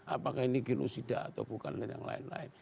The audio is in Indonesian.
apakah ini genusida atau bukan dan yang lain lain